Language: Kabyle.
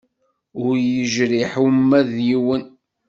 Ur yejriḥ uma d yiwen.